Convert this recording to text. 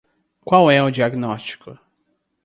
Qual é o diagnóstico?